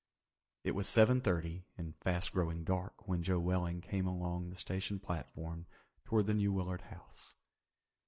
It was seven thirty and fast growing dark when Joe Welling came along the station platform toward the New Willard House.